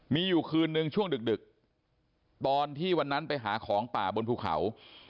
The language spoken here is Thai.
มีอยู่คืนนึงช่วงดึกตอนที่วันนั้นไปหาของป่าบนภูเขา